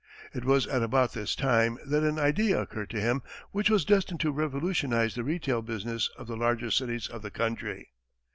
It was at about this time that an idea occurred to him which was destined to revolutionize the retail business of the larger cities of the country.